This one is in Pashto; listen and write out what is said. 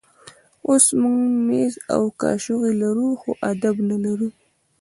اوس موږ مېز او کاچوغې لرو خو آداب نه لرو.